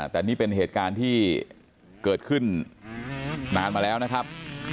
แต่นี่เป็นเหตุการณ์ที่เกิดขึ้นนานมาแล้วนะครับ